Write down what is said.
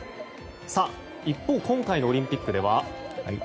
一方、今回のオリンピックでは。